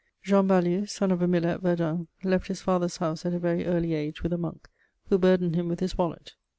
Jean Balue, son of a miller at Verdun, left his father's house at a very early age with a monk, who burdened him with his wallet.